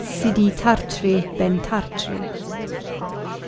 Sidi Tart'ri Ben Tart'ri.